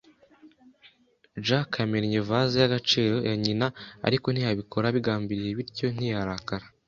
Jack yamennye vase y'agaciro ya nyina, ariko ntiyabikora abigambiriye, bityo ntiyarakara.